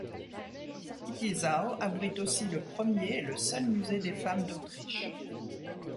Hittisau abrite aussi le premier et le seul musée des femmes d’Autriche.